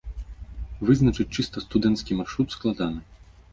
Вызначыць чыста студэнцкі маршрут складана.